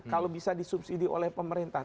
kalau bisa disubsidi oleh pemerintah